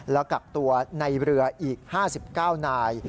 แล้วกักตัวในเรืออีก๕๙นาย